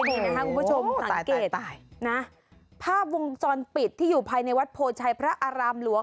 นี่นะคะคุณผู้ชมสังเกตนะภาพวงจรปิดที่อยู่ภายในวัดโพชัยพระอารามหลวง